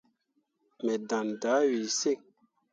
Me ɗaŋne dah wii sen.